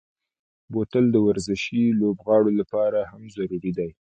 بوتل د ورزشي لوبغاړو لپاره هم ضروري دی.